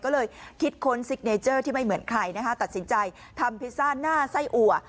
ก็เลยคิดค้นซิกเนเจอร์ที่ไม่เหมือนใครนะคะตัดสินใจทำพิซซ่าหน้าไส้อัว